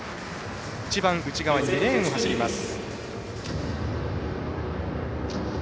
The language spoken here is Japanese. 一番内側、２レーンを走ります。